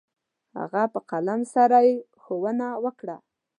هغه په قلم سره يې ښوونه وكړه.